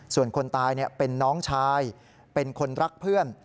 ส่วนคนตายเป็นน้องชายเป็นคนรักเพื่อน